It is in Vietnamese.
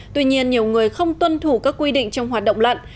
tuy nhiên nhiều người không tuân thủ các quy định trong hoạt động lặn